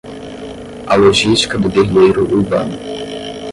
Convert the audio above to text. A Logística do Guerrilheiro Urbano